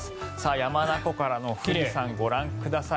山中湖からの富士山ご覧ください。